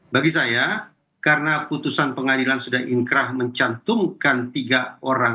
bagi saya karena putusan pengadilan sudah inkrah mencantumkan tiga orang